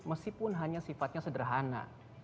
meskipun hanya sifatnya sederhana